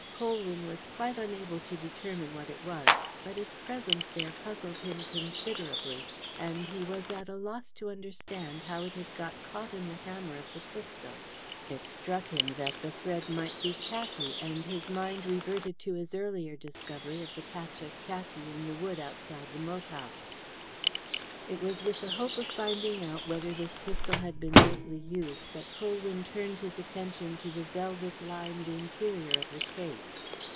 Colwyn was quite unable to determine what it was, but its presence there puzzled him considerably, and he was at a loss to understand how it had got caught in the hammer of the pistol. It struck him that the thread might be khaki, and his mind reverted to his earlier discovery of the patch of khaki in the wood outside the moat house. It was with the hope of finding out whether this pistol had been lately used that Colwyn turned his attention to the velvet lined interior of the case.